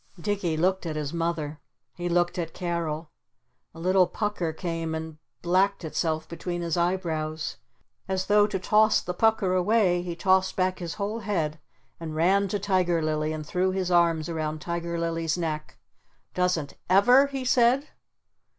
Dicky looked at his Mother. He looked at Carol. A little pucker came and blacked itself between his eyebrows. As though to toss the pucker away he tossed back his whole head and ran to Tiger Lily and threw his arms around Tiger Lily's neck. "Doesn't EVER?" he said.